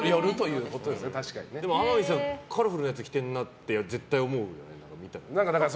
天海さんカラフルなやつ着てるなって絶対思うよね、見たら。